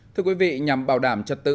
thưa quý vị nhằm bảo đảm trật tự